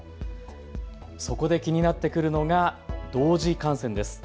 そこで気になってくるのが同時感染です。